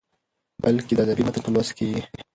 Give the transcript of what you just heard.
بلکې د ادبي متن په لوست کې يې